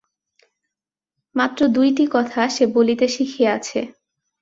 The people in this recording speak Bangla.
মাত্র দুইটি কথা সে বলিতে শিখিয়াছে!